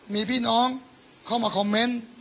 มีพี่น้องเข้ามาคอมเมนต์